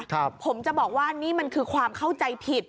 ผมจะบอกว่านี่มันคือความเข้าใจผิด